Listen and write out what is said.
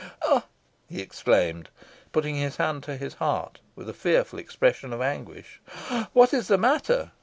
Ah!" he exclaimed, putting his hand to his heart, with a fearful expression of anguish. "What is the matter?"